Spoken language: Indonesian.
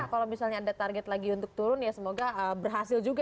kalau misalnya ada target lagi untuk turun ya semoga berhasil juga